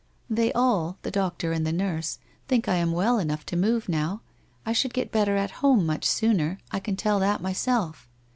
' They all, the doctor and the nurse, think I am well enough to move now. I should get better at home much sooner, I can tell that myself.'